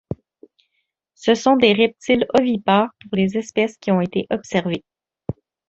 Ce sont des reptiles ovipares pour les espèces qui ont été observées.